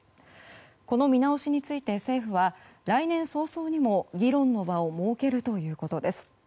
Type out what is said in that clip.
この見直しについて政府は来年早々にも議論の場を設けるということです。